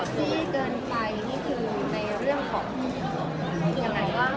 เซ็กซี่เกินไปนี่คือในเรื่องของที่สุด